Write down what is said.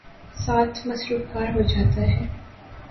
ساتھ ''مصروف کار" ہو جاتا ہے۔